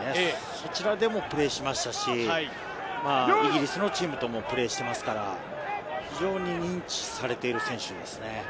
そちらでもプレーしましたし、イギリスのチームともプレーしていますから、非常に認知されている選手ですね。